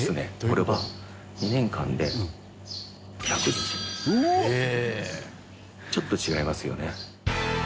これはちょっと違いますよね。